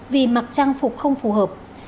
vì mặc trang phục không phù hợp